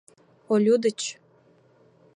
— Олю деч?